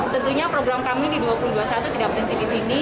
tentunya program kami di dua ribu dua puluh satu tidak berhenti di sini